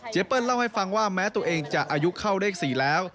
เปิ้ลเล่าให้ฟังว่าแม้ตัวเองจะอายุเข้าเลข๔แล้ว